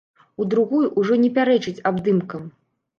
У другую ўжо не пярэчыць абдымкам.